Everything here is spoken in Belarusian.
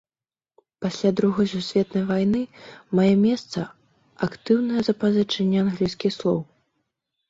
Пасля другой сусветнай вайны мае месца актыўнае запазычанне англійскіх слоў.